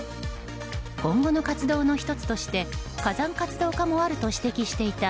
今後の活動の１つとして火山活動家もあると指摘していた